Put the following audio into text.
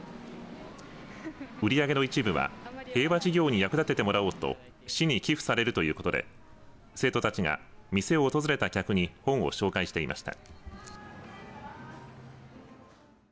売り上げの一部は平和事業に役立ててもらおうと市に寄付されるということで生徒たちが店を訪れた客に本を紹介していました。